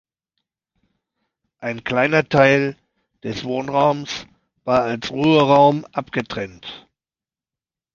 Ein kleiner Teil des Wohnraums war als Ruheraum abgetrennt.